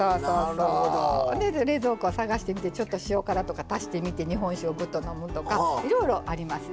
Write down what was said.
冷蔵庫、探してみて塩辛とか足してみて日本酒をぐっと飲むとかいろいろありますよ。